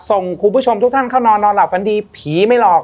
ส่งคุณผู้ชมทุกท่านเข้านอนนอนหลับฝันดีผีไม่หลอก